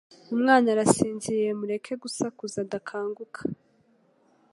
Umwana arasinziriye mureke gusakuza adakanguka